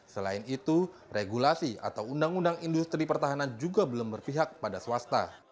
selain itu regulasi atau undang undang industri pertahanan juga belum berpihak pada swasta